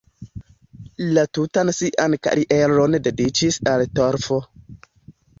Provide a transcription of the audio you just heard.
La tutan sian karieron dediĉis al torfo.